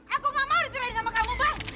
aku nggak mau diterahin sama kamu bang